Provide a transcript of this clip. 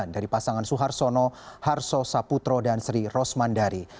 dari pasangan suharsono harso saputro dan sri rosmandari